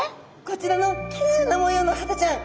こちらのきれいな模様のハタちゃん。